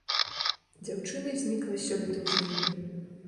Дзяўчына знікла сёлета ў жніўні.